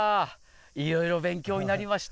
いろいろ勉強になりました。